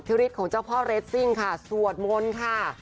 ฤทธิของเจ้าพ่อเรสซิ่งค่ะสวดมนต์ค่ะ